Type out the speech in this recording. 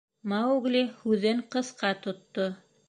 Маугли һүҙен ҡыҫҡа тотто.